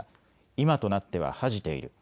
今となっては恥じている。